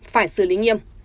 phải xử lý nghiêm